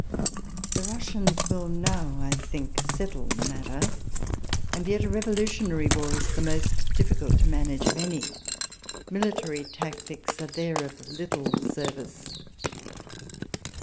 The Russians will now,f I think, settle the matter ; and yet a revolutionary war is the most difficult to manage of any. Military tactics are there of little service.